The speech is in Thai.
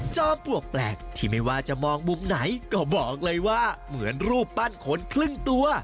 จอมปลวกแปลกที่ไม่ว่าจะมองมุมไหนก็บอกเลยว่าเหมือนรูปปั้นขนครึ่งตัว